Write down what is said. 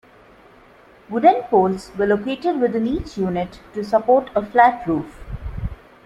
Wooden poles were located within each unit to support a flat roof.